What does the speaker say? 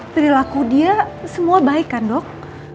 perilaku dia semua baik kan dok